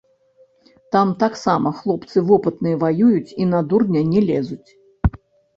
Там таксама хлопцы вопытныя ваююць і на дурня не лезуць.